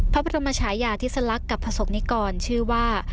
ภพรมชายาทิสลักษณ์กับผสมนิกรชื่อว่า